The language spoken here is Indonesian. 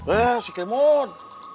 eh si kemur